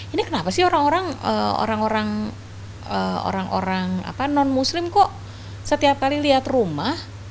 ini kenapa sih orang orang non muslim kok setiap kali lihat rumah